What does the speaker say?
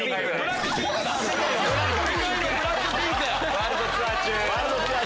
ワールドツアー中。